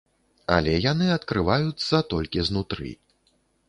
Але яны адкрываюцца толькі знутры.